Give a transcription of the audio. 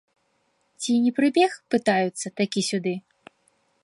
Ці не прыбег, пытаюцца, такі сюды?